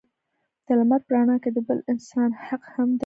د لمر په رڼا کې د بل انسان حق هم دی.